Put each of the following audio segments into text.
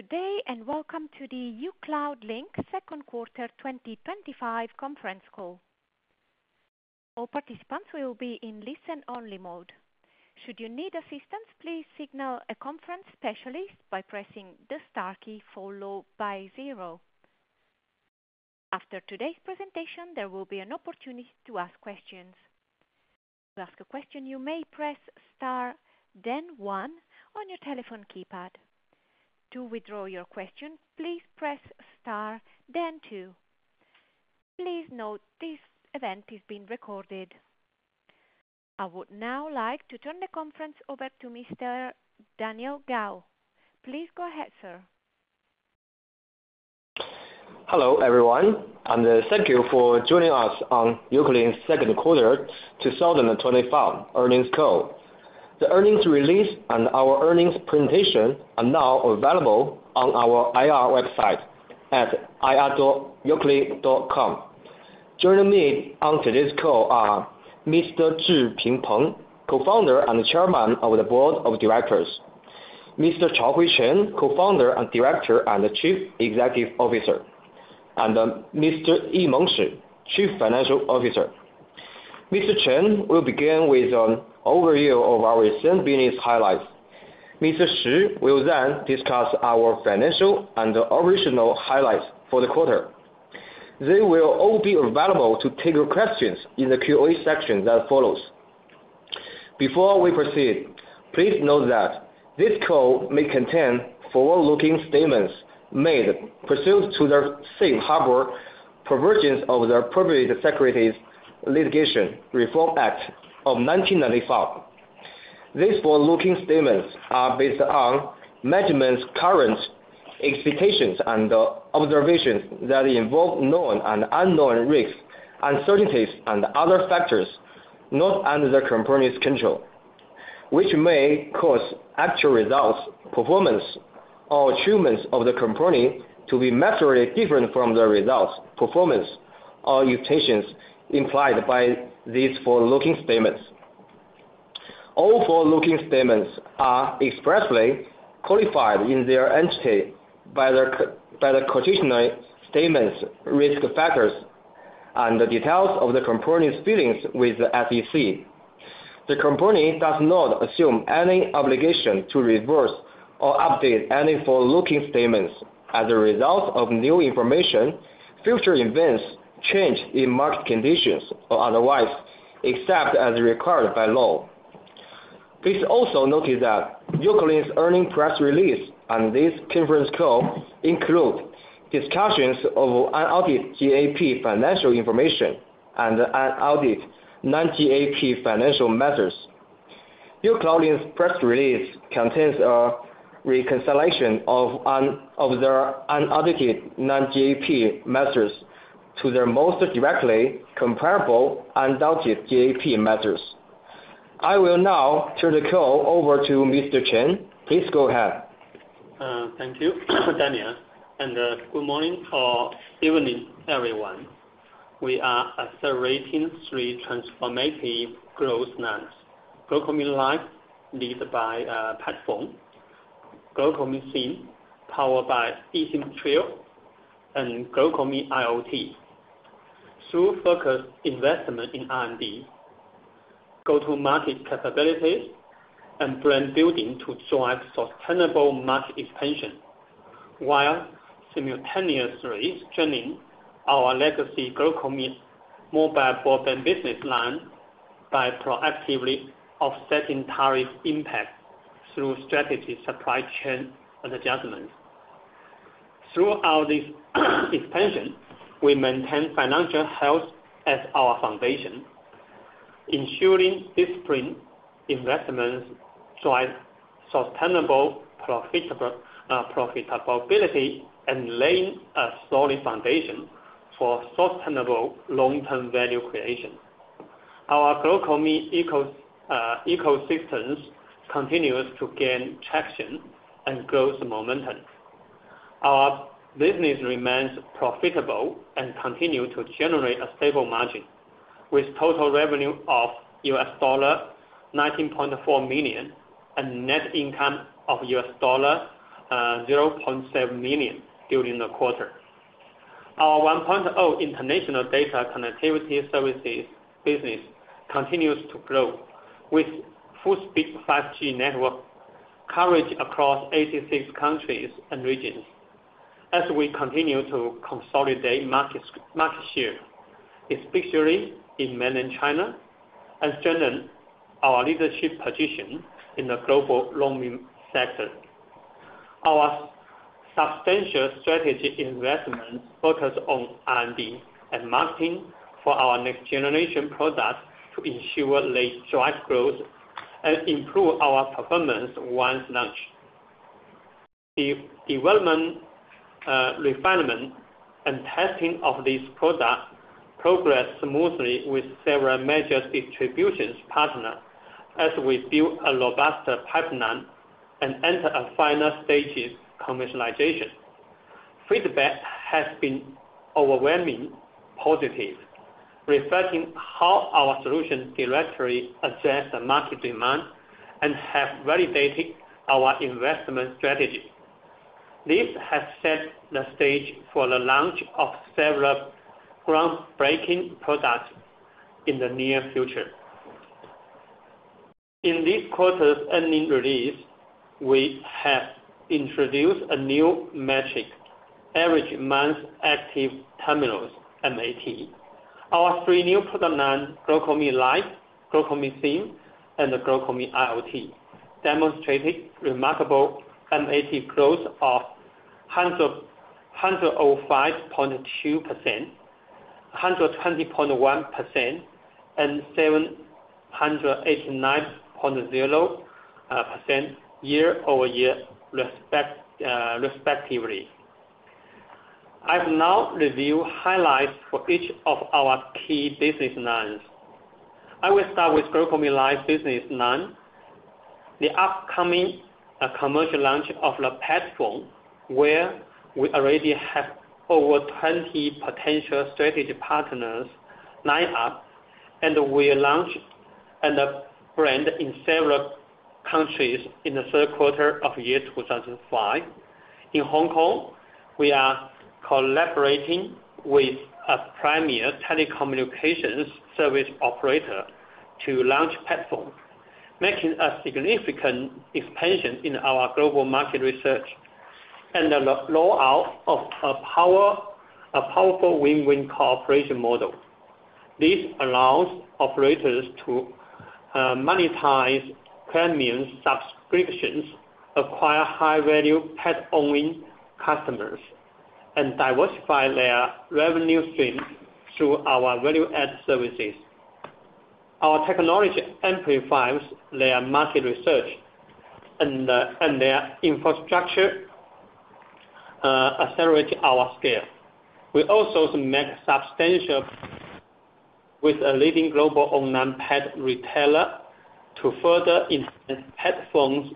Today, and welcome to the uCloudlink Second Quarter 2025 Conference Call. All participants will be in listen-only mode. Should you need assistance, please signal a conference specialist by pressing the star key followed by zero. After today's presentation, there will be an opportunity to ask questions. To ask a question, you may press star, then one on your telephone keypad. To withdraw your question, please press star, then two. Please note this event is being recorded. I would now like to turn the conference over to Mr. Daniel Gao. Please go ahead, sir. Hello, everyone, and thank you for joining us on uCloudlink's Second Quarter 2025 Earnings Call. The earnings release and our earnings presentation are now available on our IR website at ir.ucloudlink.com. Joining me on today's call are Mr. Zhiping Peng, Co-founder and Chairman of the Board of Directors, Mr. Chaohui Chen, Co-founder, Director, and Chief Executive Officer, and Mr. Yimeng Shi, Chief Financial Officer. Mr. Chen will begin with an overview of our recent business highlights. Mr. Shi will then discuss our financial and operational highlights for the quarter. They will all be available to take your questions in the Q&A section that follows. Before we proceed, please note that this call may contain forward-looking statements made pursuant to the Safe Harbor Provisions of the Private Securities Litigation Reform Act of 1995. These forward-looking statements are based on management's current expectations and observations that involve known and unknown risks, uncertainties, and other factors not under the company's control, which may cause actual results, performance, or achievements of the company to be materially different from the results, performance, or expectations implied by these forward-looking statements. All forward-looking statements are expressly qualified in their entirety by the cautionary statements related to factors and the details of the company's dealings with the SEC. The company does not assume any obligation to revise or update any forward-looking statements as a result of new information, future events, change in market conditions, or otherwise, except as required by law. Please also note that uCloudlink's earnings press release and this conference call include discussions of unaudited GAAP financial information and unaudited non-GAAP financial matters. uCloudlink's press release contains a reconciliation of their unaudited non-GAAP matters to their most directly comparable unaudited GAAP matters. I will now turn the call over to Mr. Chen. Please go ahead. Thank you, Mr. Daniel, and good morning or evening, everyone. We are accelerating three transformative growth lines: GlocalMe Life, led by a platform; GlocalMe SIM, powered by eSIM Trio; and GlocalMe IoT, through focused investment in R&D, go-to-market capabilities, and brand building to drive sustainable market expansion, while simultaneously strengthening our legacy GlocalMe mobile broadband business line by proactively offsetting tariff impacts through strategic supply chain adjustments. Throughout this expansion, we maintain financial health as our foundation, ensuring disciplined investments drive sustainable profitability and laying a solid foundation for sustainable long-term value creation. Our GlocalMe ecosystem continues to gain traction and growth momentum. Our business remains profitable and continues to generate a stable margin, with total revenue of $19.4 million and net income of $0.7 million during the quarter. Our 1.0 international data connectivity services business continues to grow with full-speed 5G network coverage across 86 countries and regions as we continue to consolidate market share, especially in mainland China and strengthen our leadership position in the global roaming sector. Our substantial strategy investment focuses on R&D and marketing for our next-generation products to ensure they drive growth and improve our performance once launched. The development, refinement, and testing of these products progress smoothly with several major distribution partners as we build a robust pipeline and enter a final stage of commercialization. Feedback has been overwhelmingly positive, reflecting how our solution directly addresses the market demand and has validated our investment strategy. This has set the stage for the launch of several groundbreaking products in the near future. In this quarter's earnings release, we have introduced a new metric: average monthly active terminals, MAT. Our three new product lines, GlocalMe Life, GlocalMe SIM, and GlocalMe IoT, demonstrated remarkable MAT growth of 105.2%, 120.1%, and 789.0% year-over-year, respectively. I will now review highlights for each of our key business lines. I will start with GlocalMe Life business line, the upcoming commercial launch of the platform, where we already have over 20 potential strategy partners lined up, and we launched a brand in several countries in the third quarter of the year 2005. In Hong Kong, we are collaborating with a premier telecommunications service operator to launch the platform, making a significant expansion in our global market research and the rollout of a powerful win-win cooperation model. This allows operators to monetize premium subscriptions, acquire high-value pet-owning customers, and diversify their revenue streams through our value-add services. Our technology amplifies their market research, and their infrastructure accelerates our scale. We also make substantial progress with a leading global online pet retailer to further enhance PetPhone's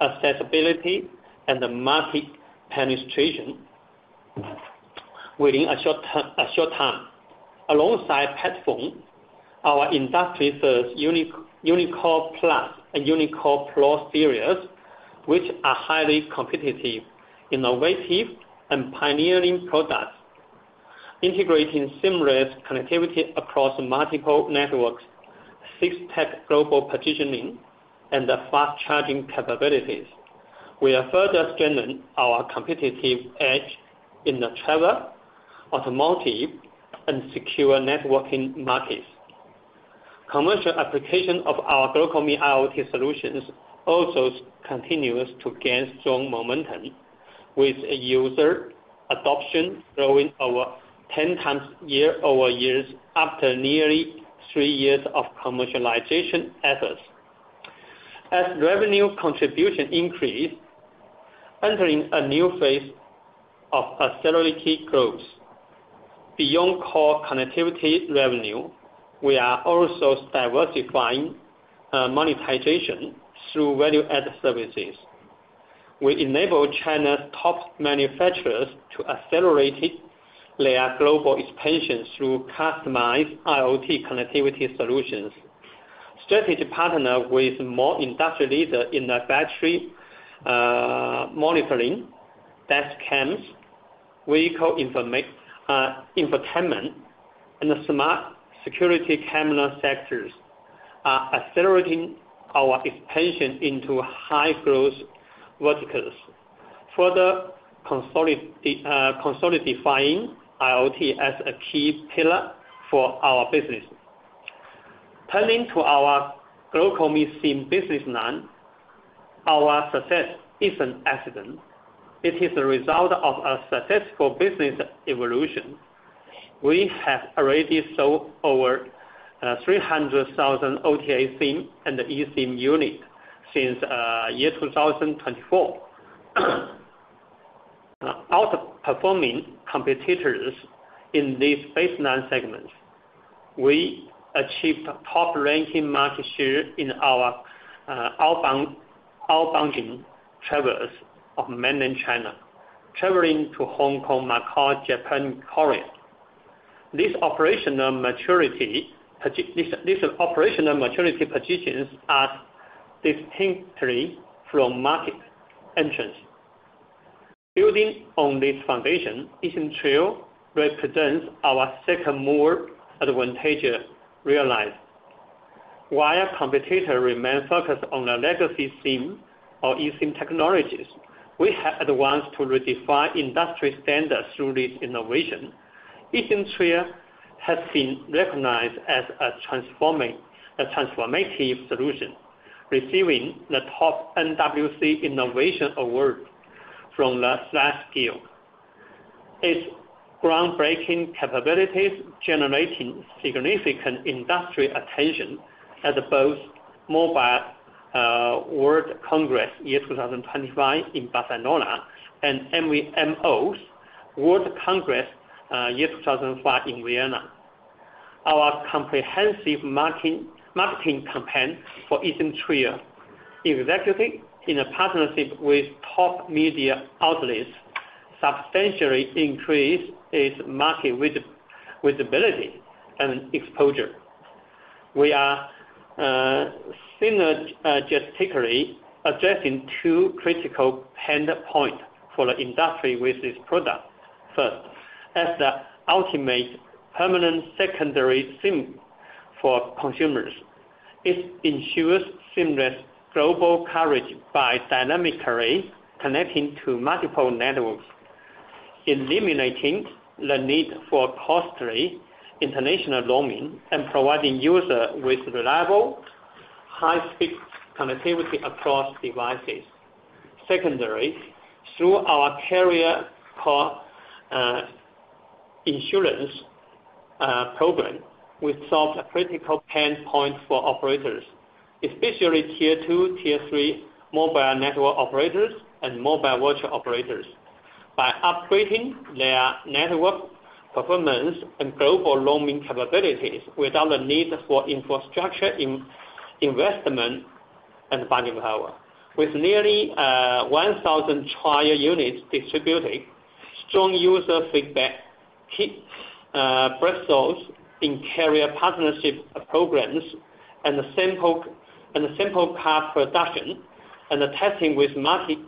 accessibility and the market penetration within a short time. Alongside PetPhone, our industry-first Unicore Plus and Unicore Plus series, which are highly competitive, innovative, and pioneering products, integrating seamless connectivity across multiple networks, six-stack global positioning, and fast charging capabilities, we have further strengthened our competitive edge in the travel, automotive, and secure networking markets. Commercial application of our GlocalMe IoT solutions also continues to gain strong momentum, with user adoption growing over 10x year-over-year after nearly three years of commercialization efforts. As revenue contribution increases, entering a new phase of accelerated growth. Beyond core connectivity revenue, we are also diversifying monetization through value-add services. We enable China's top manufacturers to accelerate their global expansion through customized IoT connectivity solutions, strategically partnering with more industry leaders in the battery monitoring, dash cams, vehicle infotainment, and the smart security camera sectors, accelerating our expansion into high-growth verticals, further consolidating IoT as a key pillar for our business. Turning to our GlocalMe SIM business line, our success isn't an accident. It is the result of a successful business evolution. We have already sold over 300,000 OTA SIM and eSIM units since the year 2024. Outperforming competitors in these baseline segments, we achieved top-ranking market share in our outbounding travelers of mainland China, traveling to Hong Kong, Macau, Japan, and Korea. These operational maturity positions are distinctly from market entrants. Building on this foundation, eSIM Trio represents our second more advantageous real life. While competitors remain focused on the legacy SIM or eSIM technologies, we have advanced to redefine industry standards through this innovation. eSIM Trio has been recognized as a transformative solution, receiving the top NWC Innovation Award from the SlashGear. Its groundbreaking capabilities generate significant industry attention at both Mobile World Congress year 2025 in Barcelona and Mobile World Congress year 2005 in Vienna. Our comprehensive marketing campaign for eSIM Trio, executed in a partnership with top media outlets, substantially increased its market visibility and exposure. We are synergistically addressing two critical pain points for the industry with this product. First, as the ultimate permanent secondary SIM for consumers, it ensures seamless global coverage by dynamically connecting to multiple networks, eliminating the need for costly international roaming and providing users with reliable, high-speed connectivity across devices. Secondarily, through our carrier core insurance program, we solved a critical pain point for operators, especially Tier 2, Tier 3 mobile network operators and mobile virtual operators, by upgrading their network performance and global roaming capabilities without the need for infrastructure investment and budgeting power. With nearly 1,000 trial units distributed, strong user feedback, peaked thresholds in carrier partnership programs and sample car production, and testing with multiple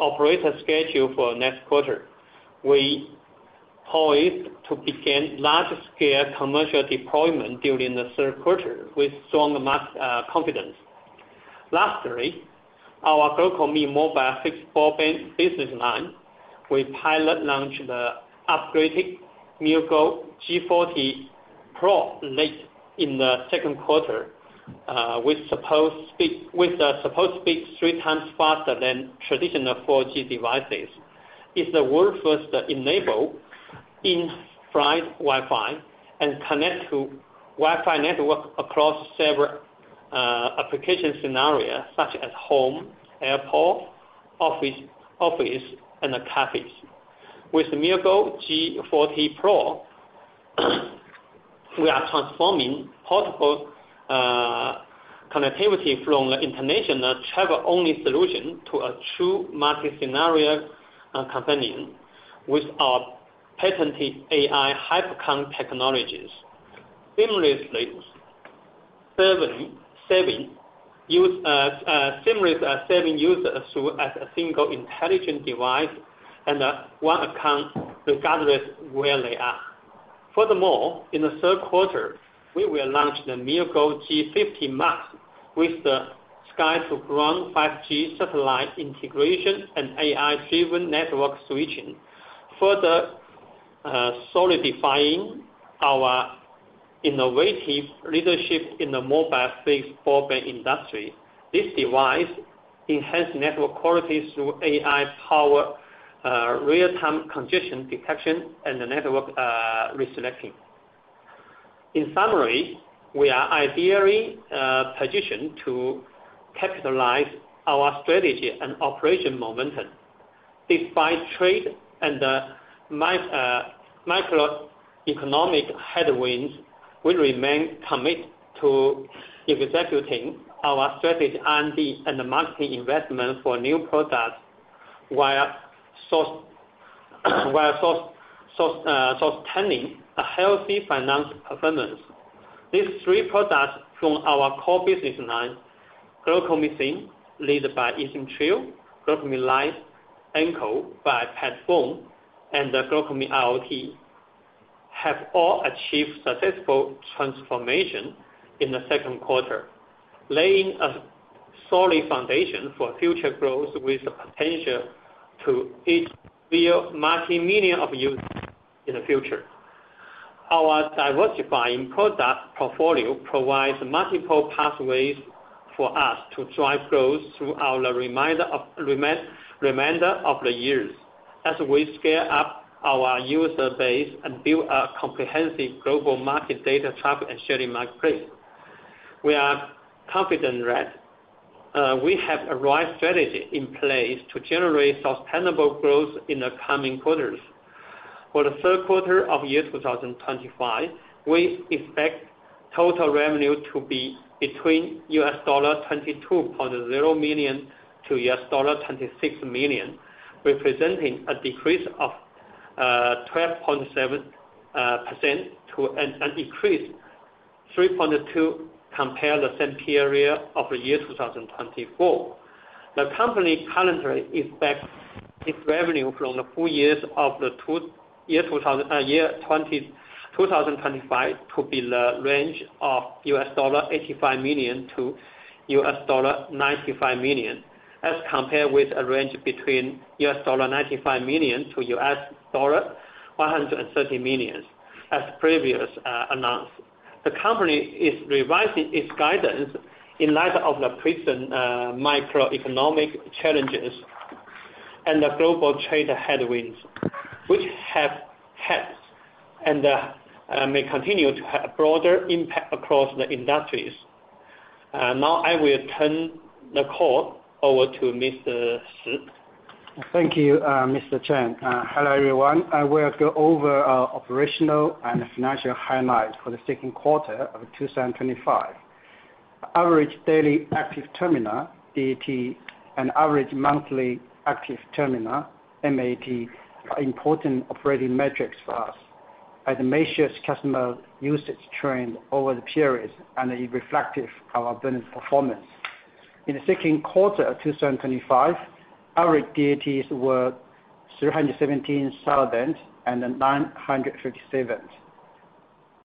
operators scheduled for the next quarter, we are poised to begin large-scale commercial deployment during the third quarter with strong market confidence. Lastly, in our GlocalMe mobile fixed broadband business line, we pilot-launched the upgraded MeowGo G40 Pro late in the second quarter, with the support speed three times faster than traditional 4G devices. It's the world's first enabled infrared Wi-Fi and connects to Wi-Fi networks across several application scenarios such as home, airport, office, and cafes. With MeowGo G40 Pro, we are transforming portable connectivity from an international travel-only solution to a true market scenario companion with our patented AI HyperConn technology, SIMless serving users through a single intelligent device and one account regardless of where they are. Furthermore, in the third quarter, we will launch the MeowGo G50 Max with the sky-to-ground 5G satellite integration and AI-driven network switching, further solidifying our innovative leadership in the mobile fixed broadband industry. This device enhances network quality through AI-powered real-time condition detection and network reselecting. In summary, we are ideally positioned to capitalize on our strategy and operational momentum. Despite trade and macroeconomic headwinds, we remain committed to executing our strategic R&D and marketing investment for new products while sustaining a healthy finance performance. These three products from our core business line, GlocalMe SIM, led by eSIM Trio, GlocalMe Life, enabled by PetPhone, and GlocalMe IoT solutions, have all achieved successful transformation in the second quarter, laying a solid foundation for future growth with the potential to reach real multimillion of users in the future. Our diversifying product portfolio provides multiple pathways for us to drive growth throughout the remainder of the years as we scale up our user base and build a comprehensive global market data traffic and sharing marketplace. We are confident that we have the right strategy in place to generate sustainable growth in the coming quarters. For the third quarter of year 2025, we expect total revenue to be between $22.0 million - $26.0 million, representing a decrease of -12.7% and an increase of +3.2% compared to the same period of the year 2024. The company currently expects its revenue from the full year of 2025 to be in the range of $85 million - $95 million, as compared with a range between $95 million - $130 million, as previously announced. The company is revising its guidance in light of the present macroeconomic challenges and the global trade headwinds, which have had and may continue to have a broader impact across the industries. Now, I will turn the call over to Mr. Shi. Thank you, Mr. Chen. Hello, everyone. I will go over our operational and financial highlights for the second quarter of 2025. Average daily active terminal, DAT, and average monthly active terminal, MAT, are important operating metrics for us. The measure customer usage trend over the periods is reflective of our business performance. In the second quarter of 2025, average DATs were 317,957,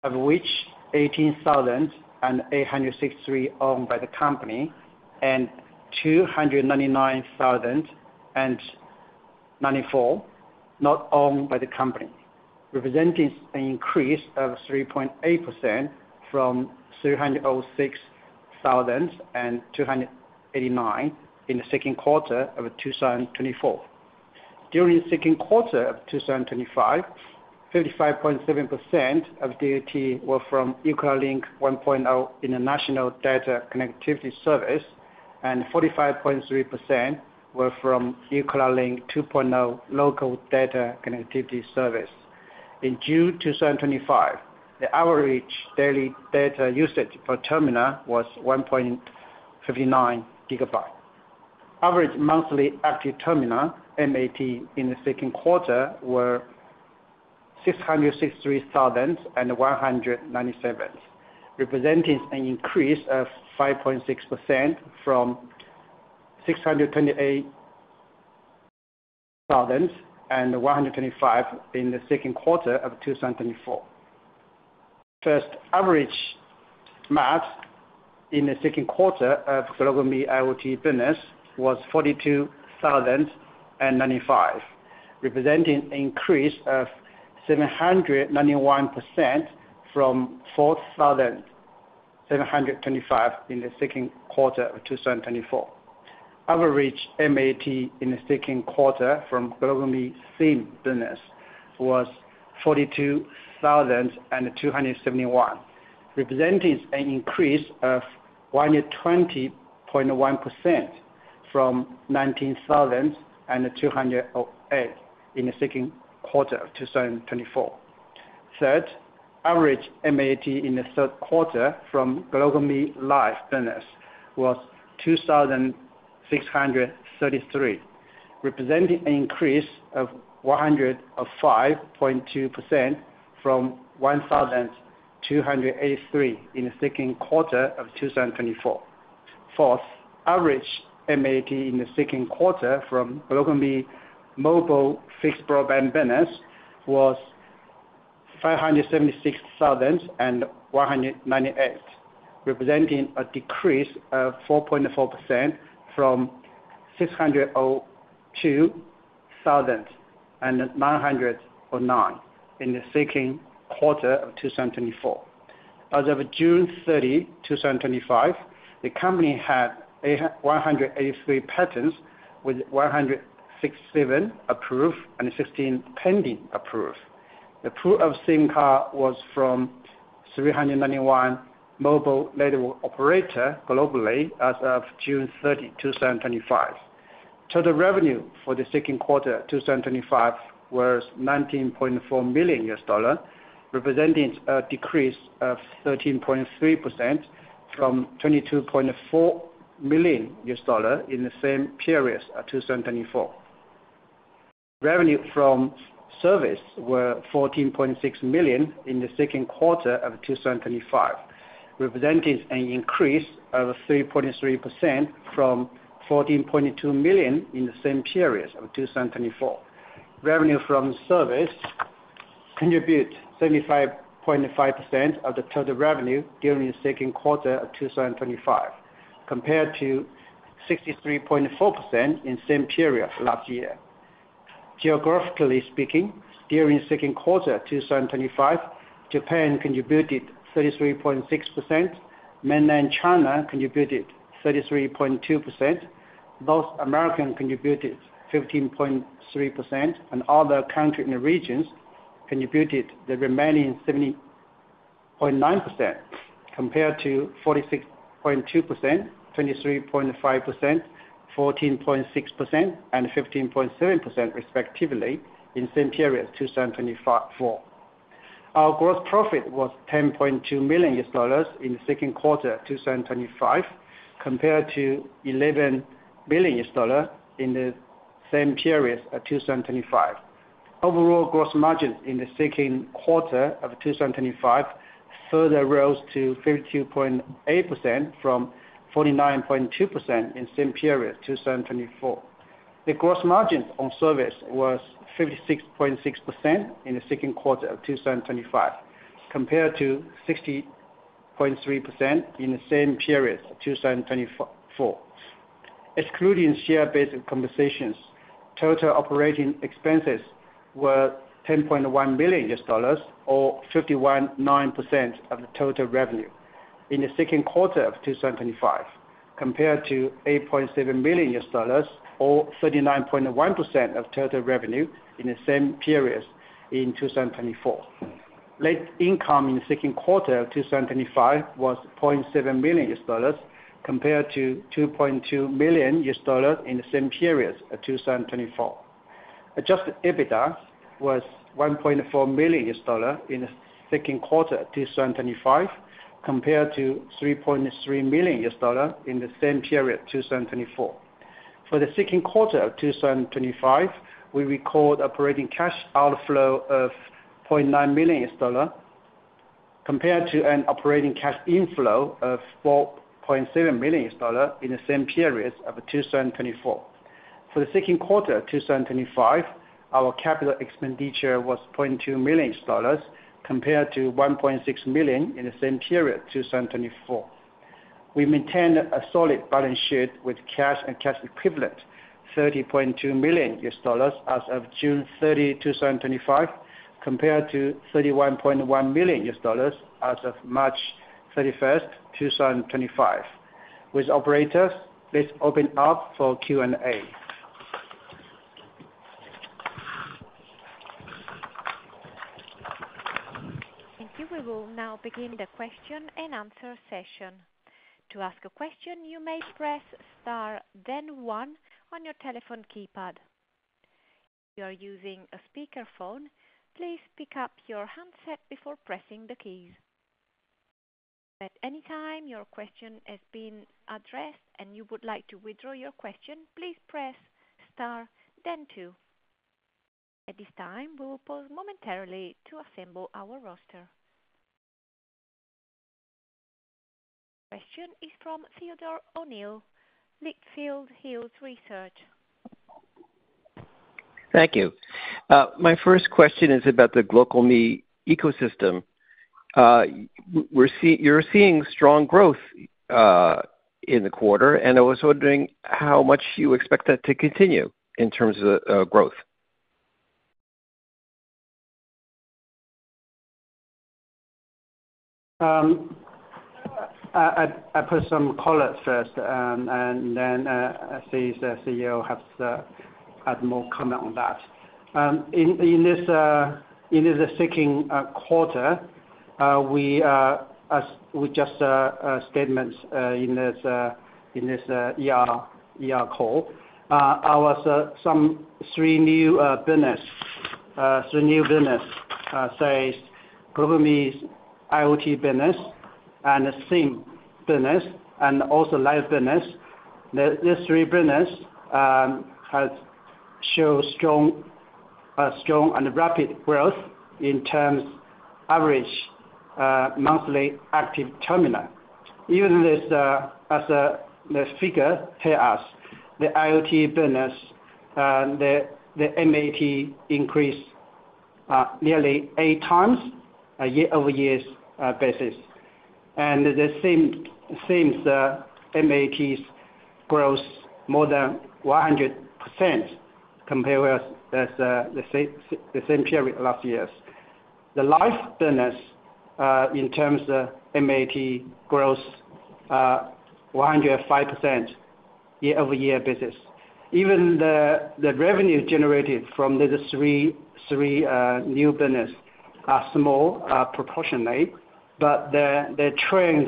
of which 18,863 owned by the company and 299,094 not owned by the company, representing an increase of +3.8% from 306,289 in the second quarter of 2024. During the second quarter of 2025, 55.7% of DAT were from uCloudlink 1.0 International Data Connectivity Service and 44.3% were from uCloudlink 2.0 Local Data Connectivity Service. In June 2025, the average daily data usage per terminal was 1.59 GB. Average monthly active terminal, MAT, in the second quarter were 663,197, representing an increase of +5.6% from 628,125 in the second quarter of 2024. First, average MAT in the second quarter of GlocalMe IoT solutions business was 42,095, representing an increase of +791% from 4,725 in the second quarter of 2024. Average MAT in the second quarter from GlocalMe SIM business was 42,271, representing an increase of +120.1% from 19,208 in the second quarter of 2024. Third, average MAT in the second quarter from GlocalMe Life business was 2,633, representing an increase of +05.2% from 1,283 in the second quarter of 2024. Fourth, average MAT in the second quarter from GlocalMe mobile fixed broadband business was 576,198, representing a decrease of -4.4% from 602,909 in the second quarter of 2024. As of June 30, 2025, the company had 183 patents with 167 approved and 16 pending approval. The approval of SIM cards was from 391 mobile network operators globally as of June 30, 2025. Total revenue for the second quarter of 2025 was $19.4 million, representing a decrease of -13.3% from $22.4 million in the same period of 2024. Revenue from service was $14.6 million in the second quarter of 2025, representing an increase of +3.3% from $14.2 million in the same period of 2024. Revenue from service contributed 75.5% of the total revenue during the second quarter of 2025, compared to 63.4% in the same period of last year. Geographically speaking, during the second quarter of 2025, Japan contributed 33.6%, mainland China contributed 33.2%, North America contributed 15.3%, and other countries and regions contributed the remaining 17.9%, compared to 46.2%, 23.5%, 14.6%, and 15.7% respectively in the same period of 2024. Our gross profit was $10.2 million in the second quarter of 2025, compared to $11.0 million in the same period of 2024. Overall gross margins in the second quarter of 2025 further rose to 52.8% from 49.2% in the same period of 2024. The gross margins on service were 56.6% in the second quarter of 2025, compared to 60.3% in the same period of 2024. Excluding share-based compensations, total operating expenses were $10.1 million, or 51.9% of the total revenue in the second quarter of 2025, compared to $8.7 million, or 39.1% of total revenue in the same period in 2024. Net income in the second quarter of 2025 was $0.7 million, compared to $2.2 million in the same period of 2024. Adjusted EBITDA was $1.4 million in the second quarter of 2025, compared to $3.3 million in the same period of 2024. For the second quarter of 2025, we recorded operating cash outflow of $0.9 million, compared to an operating cash inflow of $4.7 million in the same period of 2024. For the second quarter of 2025, our capital expenditure was $0.2 million, compared to $1.6 million in the same period of 2024. We maintained a solid balance sheet with cash and cash equivalents of $30.2 million as of June 30, 2025, compared to $31.1 million as of March 31st, 2025. With operators, let's open up for Q&A. Thank you. We will now begin the question-and-answer session. To ask a question, you may press star, then one on your telephone keypad. If you are using a speakerphone, please pick up your handset before pressing the keys. At any time your question has been addressed and you would like to withdraw your question, please press star, then two. At this time, we will pause momentarily to assemble our roster. Question is from Theodore O'Neill, Litchfield Hills Research. Thank you. My first question is about the GlocalMe ecosystem. You're seeing strong growth in the quarter, and I was wondering how much you expect that to continue in terms of growth? I'll put some colors first, and then I see the CEO has more comments on that. In this second quarter, we just had statements in this IR call. There were some three new businesses: three new businesses such as GlocalMe IoT solutions, and the GlocalMe SIM business, and also GlocalMe Life business. These three businesses have shown strong and rapid growth in terms of average monthly active terminal. Even as the figure tells us, the IoT business and the MAT increased nearly eight times on a year-over-year basis. The SIMs MAT growth more than 100% compared with the same period last year. The live business in terms of MAT growth 105% on a year-over-year basis. Even the revenue generated from these three new businesses is small proportionately, but the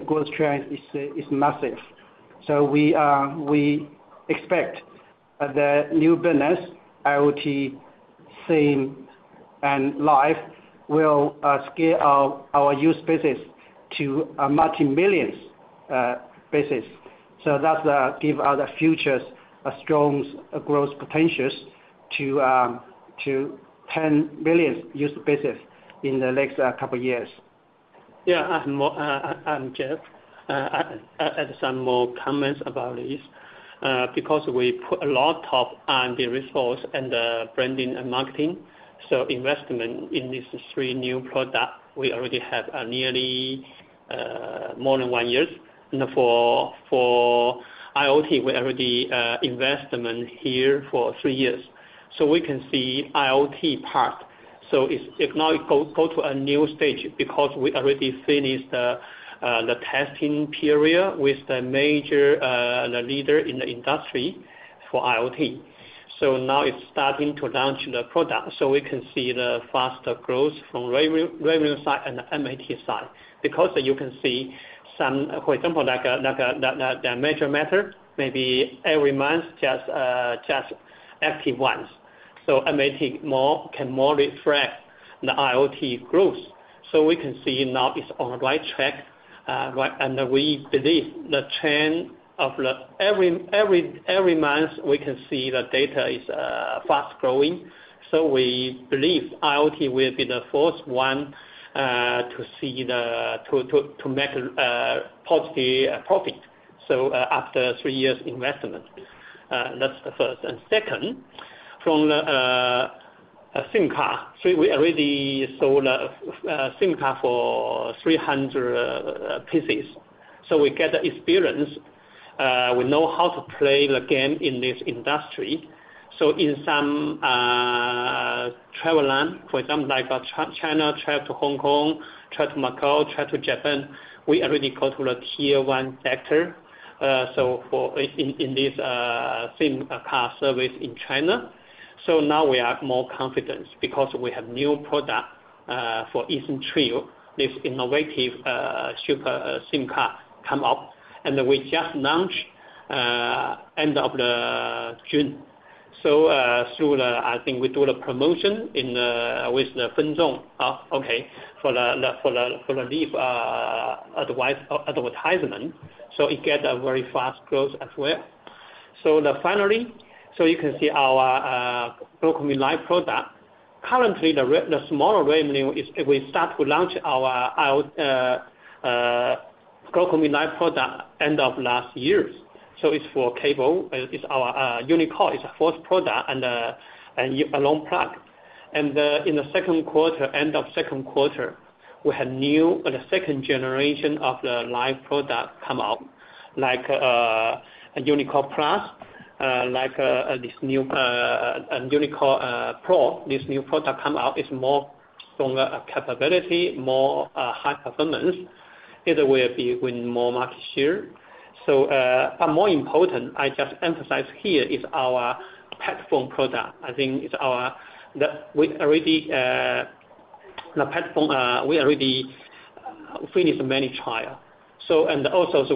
growth trend is massive. We expect the new business, IoT, SIM, and live, will scale our user bases to a multimillion basis. That gives us the future's strong growth potential to 10 million user bases in the next couple of years. Yeah. I'm Jeff. I have some more comments about this. Because we put a lot of R&D resources in the branding and marketing, investment in these three new products we already have nearly more than one year. For IoT, we already invested here for three years. We can see the IoT part is now going to a new stage because we already finished the testing period with the major leaders in the industry for IoT. Now it's starting to launch the product. We can see the faster growth from the revenue side and the MAT side. For example, like the major matters, maybe every month just active ones. MAT can more really threaten the IoT growth. We can see now it's on the right track. We believe the trend of every month we can see the data is fast growing. We believe IoT will be the first one to make a positive profit. After three years' investment, that's the first. Second, from the SIM card, we already sold a SIM card for 300 pieces. We get the experience. We know how to play the game in this industry. In some travel lines, for example, like China trip to Hong Kong, trip to Macau, trip to Japan, we already go to the tier one sector in this SIM card service in China. Now we are more confident because we have new products for eSIM Trio. This innovative SIM card came out, and we just launched at the end of June. Through the, I think we do the promotion with the [audion distortion], for the lead advertisement. It gets a very fast growth as well. Finally, you can see our GlocalMe Life product. Currently, the smaller revenue is we started to launch our GlocalMe Life product at the end of last year. It's for cable. It's our Unicor is our fourth product and a long plug. In the end of second quarter, we had new, the second generation of the Life product come out, like Unicore Plus, like this new Unicore Pro. This new product comes out. It's more stronger capability, more high performance. It will be winning more market share. More important, I just emphasize here is our PetPhone product. I think we already finished many trials.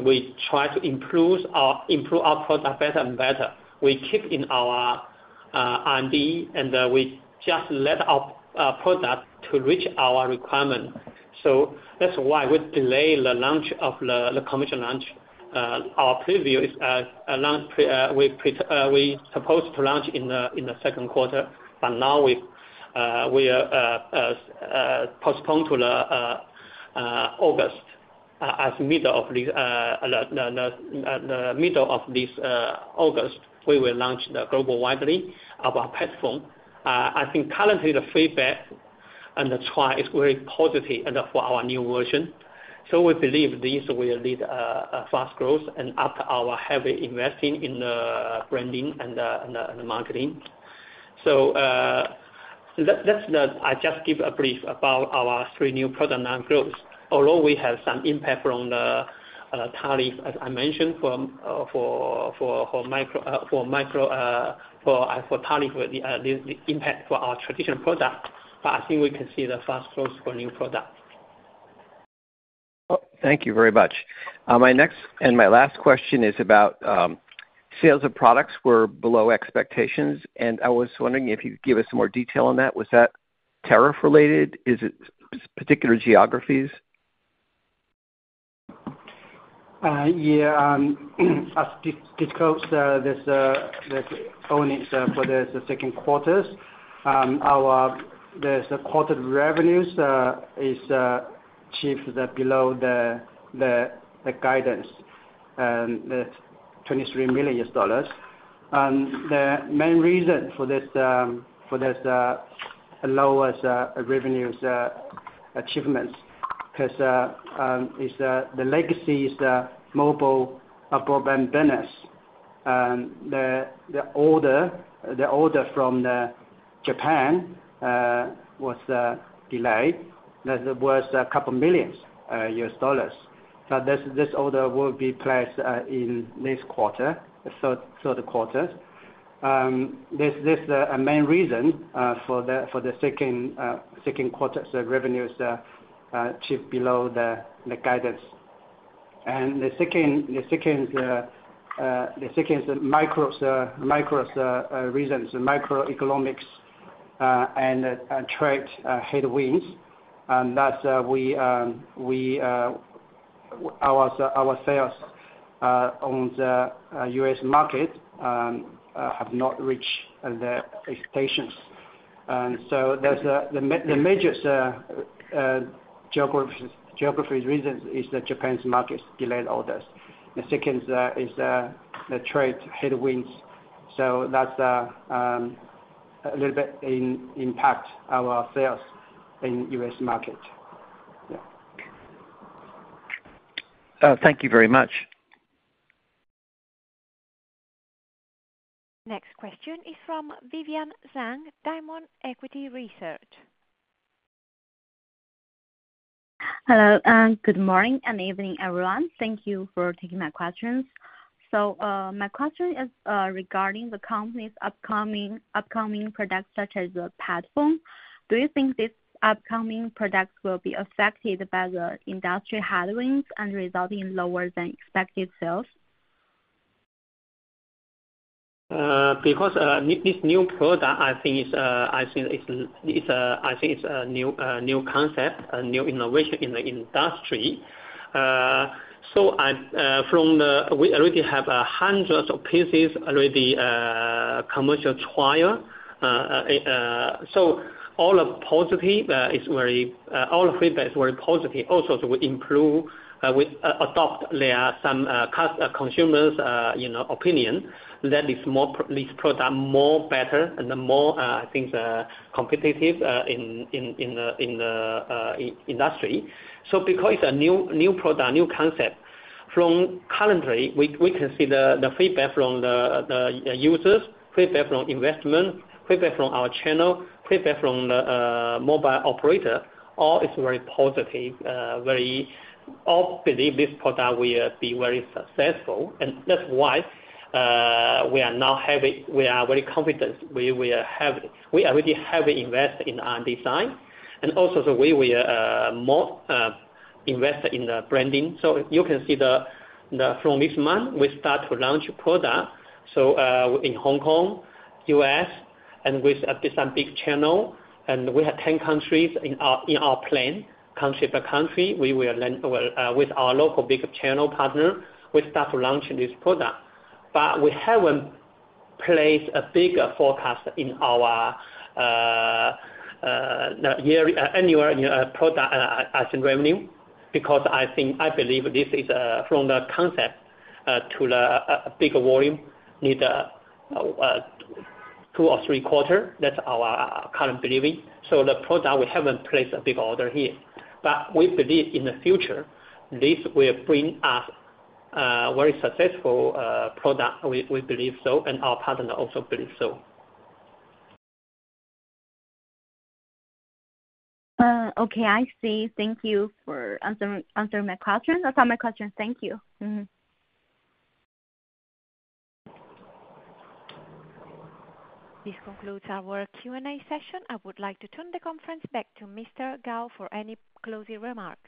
We try to improve our product better and better. We keep in our R&D, and we just let our product reach our requirements. That's why we delayed the launch of the commercial launch. Our preview is a launch we're supposed to launch in the second quarter, but now we're postponed to August. As middle of this August, we will launch the global wide link of our PetPhone. I think currently the feedback and the trial is very positive for our new version. We believe this will lead to fast growth after our heavy investing in the branding and the marketing. Let me just give a brief about our three new product line growth. Although we had some impact on the tariff, as I mentioned, for tariff impact for our traditional product, I think we can see the fast growth for new products. Thank you very much. My next and my last question is about sales of products were below expectations. I was wondering if you could give us some more detail on that. Was that tariff related? Is it particular geographies? Yeah. Because there's earnings for the second quarter, our quarterly revenues achieved below the guidance, and that's $23 million. The main reason for this lowest revenues achievement is the legacy mobile broadband business. The order from Japan was delayed. That was a couple of millions of U.S. dollars. This order will be placed in this quarter, third quarter. This is the main reason for the second quarter's revenues achieved below the guidance. The second reason is microeconomics and trade headwinds. That's our sales on the U.S. market have not reached the expectations. The major geographical reason is the Japanese market's delayed orders. The second is the trade headwinds. That's a little bit impacted our sales in the U.S. market. Thank you very much. Next question is from Vivian Zhang, Diamond Equity Research. Hello. Good morning and evening, everyone. Thank you for taking my questions. My question is regarding the company's upcoming product, such as the PetPhone. Do you think this upcoming product will be affected by the industry headwinds and result in lower than expected sales? Because this new product, I think it's a new concept, a new innovation in the industry. We already have hundreds of pieces already in commercial trial. All the feedback is very positive. Also, we improve, we adopt some consumers' opinion that this product is more better and more, I think, competitive in the industry. Because it's a new product, new concept, from currently, we can see the feedback from the users, feedback from investment, feedback from our channel, feedback from the mobile operator, all is very positive. I believe this product will be very successful. That's why we are now having we are very confident. We already have invested in R&D design. Also, we were more invested in the branding. You can see that from this month, we start to launch products in Hong Kong, U.S., and with some big channels, and we have 10 countries in our plan, country by country. We will land with our local big channel partner. We start to launch this product. We haven't placed a big forecast in our annual product revenue because I believe this is from the concept to the big volume needs two or three quarters. That's our current believing. The product, we haven't placed a big order here. We believe in the future, this will bring us a very successful product. We believe so, and our partner also believes so. Okay. I see. Thank you for answering my questions. That's all my questions. Thank you. This concludes our Q&A session. I would like to turn the conference back to Mr. Gao for any closing remarks.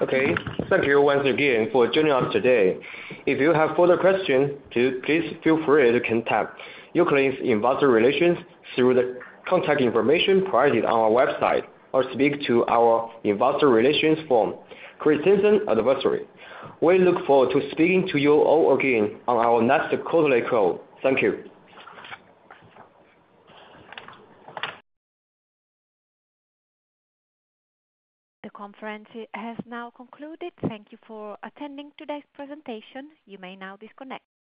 Okay. Thank you, once again, for joining us today. If you have further questions, please feel free to contact uCloudlink's investor relations through the contact information provided on our website or speak to our investor relations firm, Christensen Advisory. We look forward to speaking to you all again on our next quarterly call. Thank you. The conference has now concluded. Thank you for attending today's presentation. You may now disconnect.